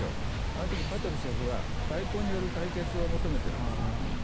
あの時パトルシェフは外交による解決を求めているんです。